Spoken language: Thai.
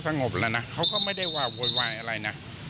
งบแล้วนะเขาก็ไม่ได้ว่าโวยวายอะไรนะ